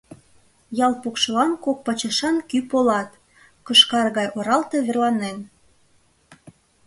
Ял покшелан кок пачашан кӱ полат, кышкар гай оралте верланен.